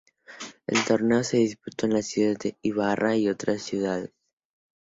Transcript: El torneo se disputó en la ciudad de Ibarra y otras ciudades.